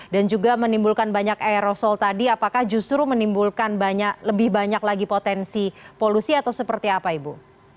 dan juga menimbulkan banyak aerosol tadi apakah justru menimbulkan lebih banyak lagi potensi polusi atau seperti apa ibu